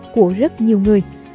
của rất nhiều người